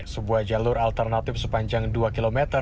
sebuah jalur alternatif sepanjang dua km